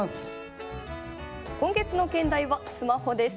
今月の兼題は「スマホ」です。